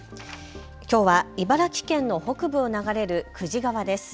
きょうは茨城県の北部を流れる久慈川です。